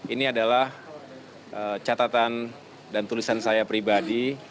ini adalah catatan dan tulisan saya pribadi